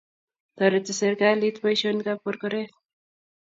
Toriti serikalit boisionik ab korkoret